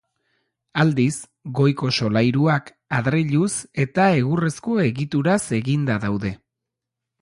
Aldiz, goiko solairuak adreiluz eta egurrezko egituraz eginda daude.